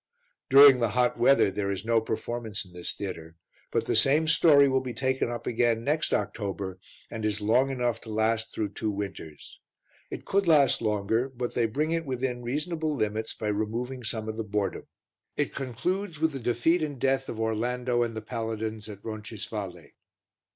During the hot weather there is no performance in this theatre; but the same story will be taken up again next October and is long enough to last through two winters. It could last longer, but they bring it within reasonable limits by removing some of the boredom. It concludes with the defeat and death of Orlando and the paladins at Roncisvalle.